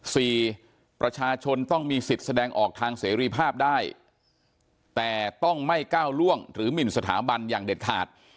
สี่ประชาชนต้องมีสิทธิ์แสดงออกทางเสรีภาพได้แต่ต้องไม่ก้าวล่วงหรือหมินสถาบันอย่างเด็ดขาด